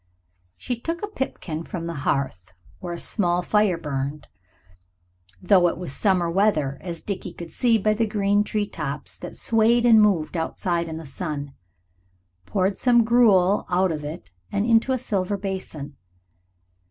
She took a pipkin from the hearth, where a small fire burned, though it was summer weather, as Dickie could see by the green tree tops that swayed and moved outside in the sun, poured some gruel out of it into a silver basin.